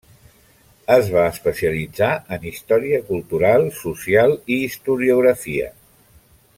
Es va especialitzar en Història Cultural, Social i Historiografia.